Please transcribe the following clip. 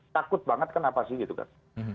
takut banget kenapa sih gitu kan